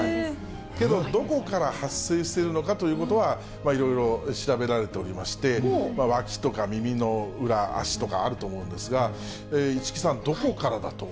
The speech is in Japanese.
けど、どこから発生してるのかということは、いろいろ調べられておりまして、わきとか耳の裏、足とかあると思うんですが、市來さん、えー？